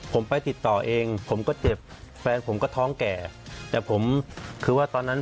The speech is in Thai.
ผมไปติดต่อเองผมก็เจ็บแฟนผมก็ท้องแก่แต่ผมคือว่าตอนนั้น